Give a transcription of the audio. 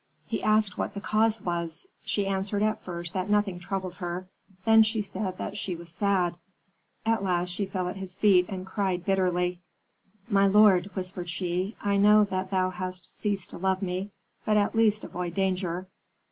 He asked what the cause was. She answered at first that nothing troubled her; then she said that she was sad. At last she fell at his feet and cried bitterly. "My lord," whispered she, "I know that thou hast ceased to love me, but at least avoid danger."